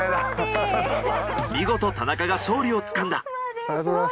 見事田中が勝利をつかんだ。